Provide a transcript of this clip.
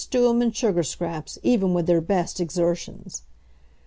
Stewam and Sugarscraps even with their best exertions.